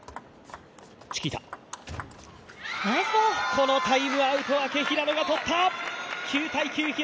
このタイムアウト明け、平野が取った！